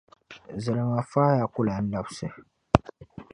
Zilima faaya ku lan labisi.